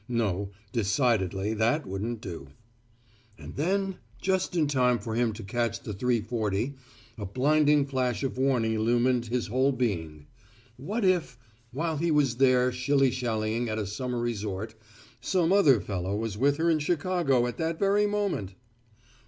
No, decidedly that wouldn't do. And then just in time for him to catch the 3:40 a blinding flash of warning illumined his whole being. What if, while he was there shilly shallying at a summer resort, some other fellow was with her in Chicago at that very moment!